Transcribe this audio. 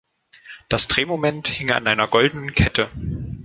Das Drehmoment hing an einer goldenen Kette.